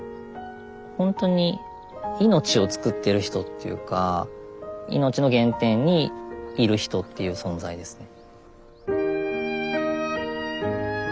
ほんとに命を作ってる人っていうか命の原点にいる人っていう存在ですね。